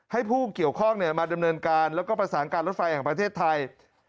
ให้ผู้เกี่ยวข้องมาดำเนินการแล้วก็ประสานการรถไฟแห่งประเทศไทย